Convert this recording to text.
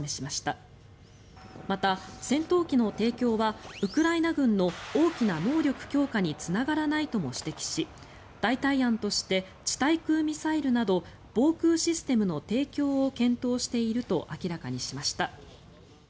また、戦闘機の提供はウクライナ軍の大きな能力強化につながらないとも指摘し代替案として地対空ミサイルなど防空システムの提供を検討していると明らかにしました。